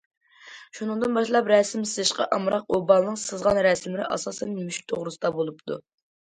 شۇنىڭدىن باشلاپ رەسىم سىزىشقا ئامراق ئۇ بالىنىڭ سىزغان رەسىملىرى ئاساسەن مۈشۈك توغرىسىدا بولۇپتۇ.